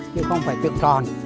chứ không phải tượng tròn